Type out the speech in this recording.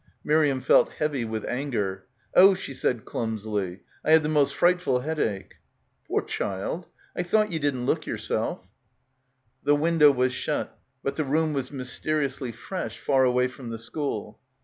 Miriam felt heavy with anger. "Oh," she said clumsily, "I had the most frightful headache." "Poor diild. I thought ye didn't look yerself ." The window was shut. But the room was mys teriously fresh, far away from the school.